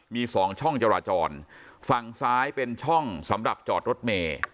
มีสองช่องจราจรฝั่งซ้ายเป็นช่องสำหรับจอดรถเมย์